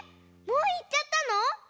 もういっちゃったの？